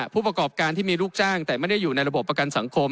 ผู้ประกอบการที่มีลูกจ้างแต่ไม่ได้อยู่ในระบบประกันสังคม